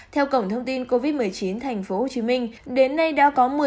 theo cổng thông tin covid một mươi chín tp hcm đến nay đã có